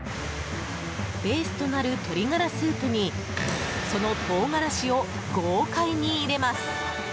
ベースとなる鶏ガラスープにその唐辛子を豪快に入れます。